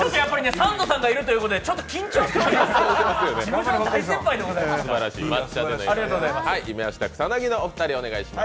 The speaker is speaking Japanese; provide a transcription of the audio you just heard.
サンドさんがいるということで緊張してます。